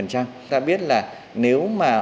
chúng ta biết là nếu mà